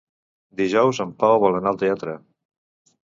Dijous en Pau vol anar al teatre.